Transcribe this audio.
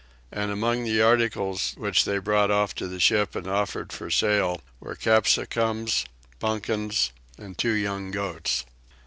And among the articles which they brought off to the ship and offered for sale were capsicums, pumpkins, and two young goats.